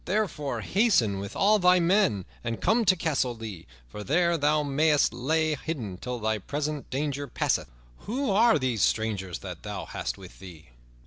Therefore hasten with all thy men, and come to Castle Lea, for there thou mayst lie hidden till thy present danger passeth. Who are these strangers that thou hast with thee?"